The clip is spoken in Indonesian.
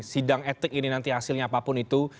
sidang etik ini nanti hasilnya apapun itu